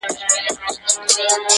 د تورو زلفو له ښامار سره مي نه لګیږي!.